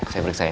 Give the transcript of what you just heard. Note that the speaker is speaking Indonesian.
saya periksa ya